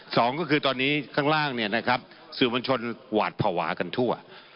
สองก็คือตอนนี้ข้างล่างเนี่ยนะครับสื่อมวลชนหวาดภาวะกันทั่ว